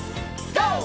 ＧＯ！